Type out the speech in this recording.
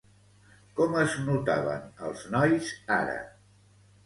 Com es notaven els nois ara?